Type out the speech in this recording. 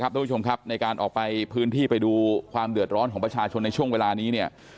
ทุกผู้ชมครับในการออกไปพื้นที่ไปดูความเดือดร้อนของประชาชนในช่วงเวลานี้เนี่ย